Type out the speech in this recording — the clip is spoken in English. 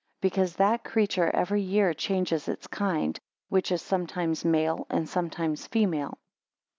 Because that creature every year changes its kind, which is sometimes male and sometimes female.